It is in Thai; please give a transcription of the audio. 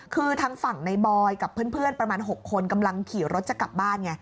คือทางฝั่งในบอยกับเพื่อนประมาณ๖คนกำลังขี่รถจะกลับบ้านไง